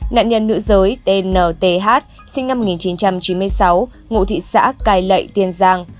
nạn nhân nữ giới tnth sinh năm một nghìn chín trăm chín mươi sáu ngụ thị xã cài lệ tiền giang